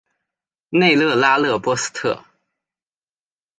内勒拉勒波斯特。